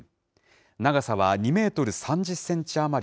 長さは２メートル３０センチ余り